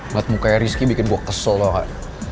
buat mukanya rizky bikin gue kesel tau gak